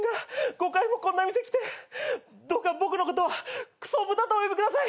５回もこんな店来てどうか僕のことはくそ豚とお呼びください。